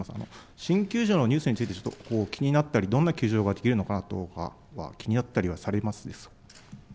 新球場のニュースについて、気になったり、どんな球場ができるのかとか、気になったりはされますでしょうか。